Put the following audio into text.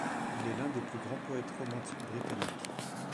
Il est l'un des plus grands poètes romantiques britanniques.